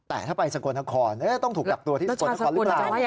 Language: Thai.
แต่ถ้าไปสกลนครต้องถูกจับตัวที่สกลนครหรือเปล่า